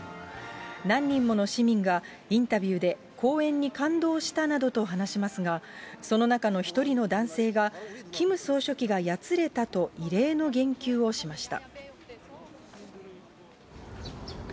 何人もの市民が、インタビューで公演に感動したなどと話しますが、その中の一人の男性が、キム総書記がやつれたと異例の言及をしました。